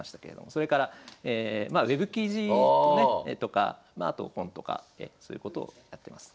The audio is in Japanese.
それからウェブ記事とねとかまああと本とかそういうことをやってます。